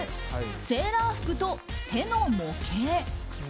セーラー服と手の模型。